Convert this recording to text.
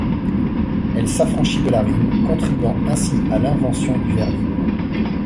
Elle s'affranchit de la rime, contribuant ainsi à l'invention du vers libre.